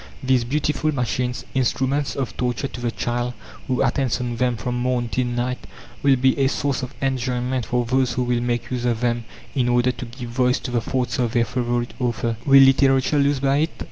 These beautiful machines, instruments of torture to the child who attends on them from morn till night, will be a source of enjoyment for those who will make use of them in order to give voice to the thoughts of their favourite author. Will literature lose by it?